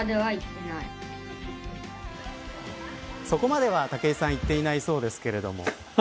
そこまでは武井さんいっていないそうですけれども。